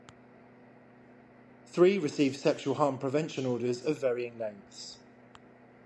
Three received sexual harm prevention orders of varying lengths.